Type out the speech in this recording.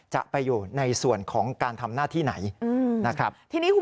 จะไปอยู่ในส่วนของการทำหน้าที่ไหนนะครับ